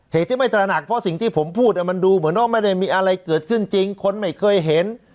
เหตุที่ไม่ตระหนักเพราะสิ่งที่ผมพูดมันดูเหมือนว่าไม่ได้มีอะไรเกิดขึ้นจริงคนไม่เคยเห็น